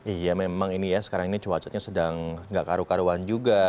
iya memang ini ya sekarang ini cuacanya sedang gak karu karuan juga